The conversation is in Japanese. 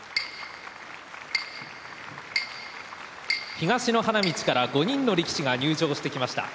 東の花道から５人の力士が入場してきました。